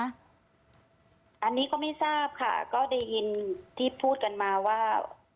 อันนี้ก็ไม่ทราบค่ะก็ได้ยินที่พูดกันมาว่า